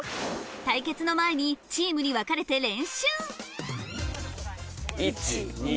対決の前にチームに分かれて練習１・２。